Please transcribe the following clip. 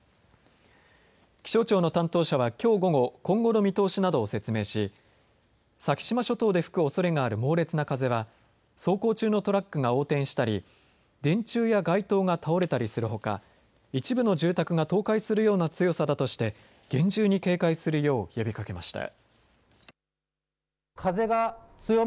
気象庁の担当者はきょう午後、今後の見通しなどを説明し、先島諸島で吹くおそれがある猛烈な風は走行中のトラックが横転したり電柱や街灯が倒れたりするほか一部の住宅が倒壊するような強さだとして厳重に警戒するよう呼びかけました。